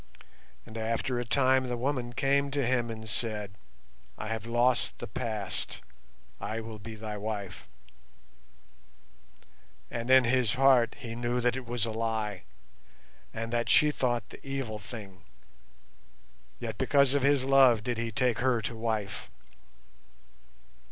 And after a time the woman came to him and said, 'I have lost the past, I will be thy wife.' And in his heart he knew that it was a lie and that she thought the evil thing, yet because of his love did he take her to wife.